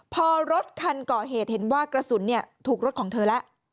พอรถคันก่อเหตุเห็นว่ากระสุนถูกรถของเธอแล้ว